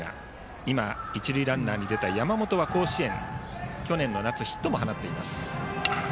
今、一塁ランナーに出た山本は甲子園、去年の夏ヒットも放っています。